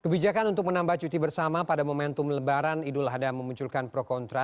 kebijakan untuk menambah cuti bersama pada momentum lebaran idul adha memunculkan pro kontra